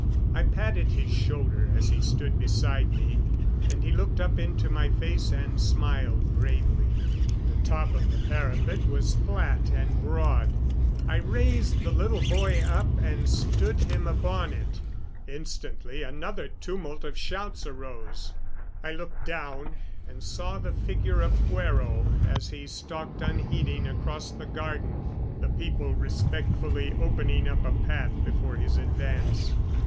I patted his shoulder as he stood beside me, and he looked up into my face and smiled bravely. The top of the parapet was flat and broad. I raised the little boy up and stood him upon it. Instantly another tumult of shouts arose. I looked down and saw the figure of Fuero as he stalked unheeding across the garden, the people respectfully opening up a path before his advance.